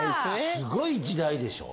すごい時代でしょ。